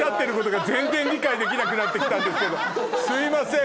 すいません